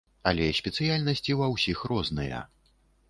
Але спецыяльнасці ва ўсіх розныя.